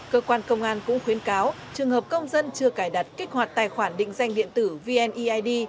cơ quan công an cũng khuyến cáo trường hợp công dân chưa cài đặt kích hoạt tài khoản định danh điện tử vneid